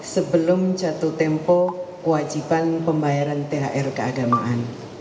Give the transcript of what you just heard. sebelum jatuh tempo kewajiban pembayaran thr keagamaan